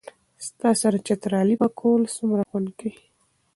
ستا سره چترالي پکول څومره خوند کئ